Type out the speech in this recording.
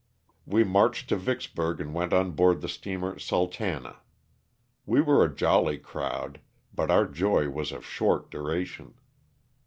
We marched to Vicksburg and went on board the steamer ''Sultana." We were a jolly crowd, but our joy was of short duration.